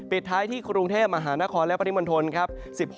ปิดท้ายที่กรุงเทพฯมหานครและปฏิบันทนศ์ครับ